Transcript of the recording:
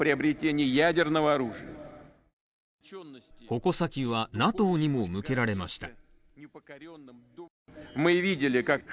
矛先は、ＮＡＴＯにも向けられました。